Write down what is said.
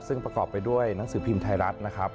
ซึ่งประกอบไปด้วยหนังสือพิมพ์ไทยรัฐนะครับ